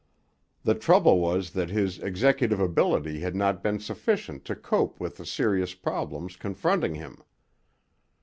The trouble was that his executive ability had not been sufficient to cope with the serious problems confronting him.